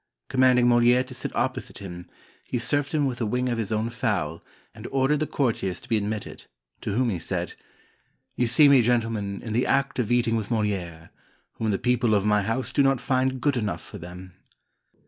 Commanding Moliere to sit oppo site him, he served him with a wing of his own fowl and ordered the courtiers to be admitted, to whom he said: "You see me, gentlemen, in the act of eating with Moliere, whom the people of my house do not find good enough for them."